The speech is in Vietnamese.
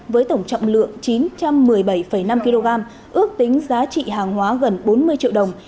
với tổng trọng lượng chín trăm một mươi bảy năm kg ước tính giá trị hàng hóa gần bốn mươi triệu đồng